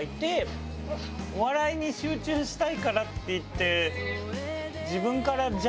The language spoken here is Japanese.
「お笑いに集中したいから」って言って。